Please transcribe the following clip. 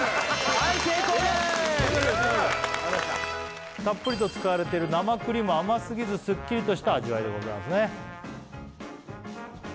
大成功でーすたっぷりと使われてる生クリーム甘すぎずすっきりとした味わいでございますね